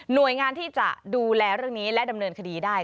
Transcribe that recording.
โดยงานที่จะดูแลเรื่องนี้และดำเนินคดีได้